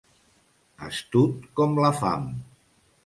Astut com la fam.